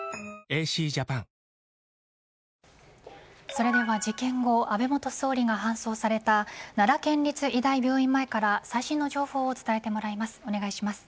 それでは事件後安倍元総理が搬送された奈良県立医大病院前から最新の情報を伝えてもらいます。